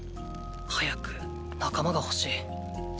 早く仲間がほしい！